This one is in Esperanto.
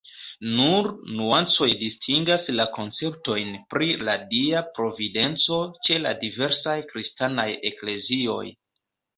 Nur nuancoj distingas la konceptojn pri la Dia Providenco ĉe la diversaj kristanaj eklezioj.